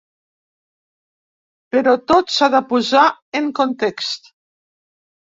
Però tot s’ha de posar en context.